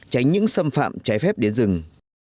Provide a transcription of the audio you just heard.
tránh những xâm phạm trái phép đến rừng